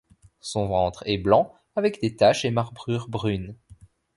Son ventre est blanc avec des taches et marbrures brunes.